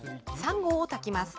３合を炊きます。